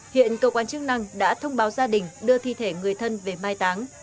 hiện cơ quan chức năng đã thông báo gia đình đưa thi thể người thân về mai táng